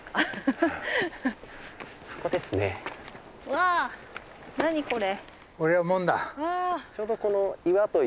わあ何これ？